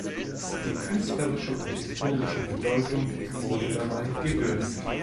Die künstlerische und historische Bedeutung wurde dabei gewürdigt.